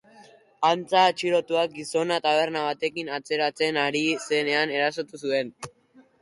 Antza, atxilotuak gizona taberna batetik ateratzen ari zenean erasotu zuen.